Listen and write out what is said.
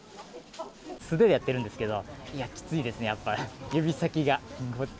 素手でやってるんですけど、いや、きついですね、やっぱり。